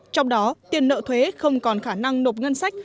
trong đó tiền nợ thuế không còn khả năng nộp ngân sách